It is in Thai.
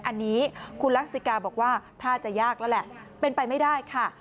อันนี้คุณลักษิกาบอกว่าถ้าจะยากแล้วแหละเป็นไปไม่ได้ค่ะ